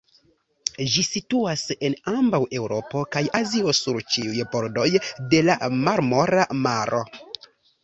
Ĝi situas en ambaŭ Eŭropo kaj Azio sur ĉiuj bordoj de la Marmora Maro.